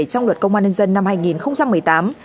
trong luật công an nhân dân năm hai nghìn một mươi tám